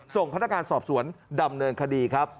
ส่งพนักงานสอบสวนดำเนินคดีครับ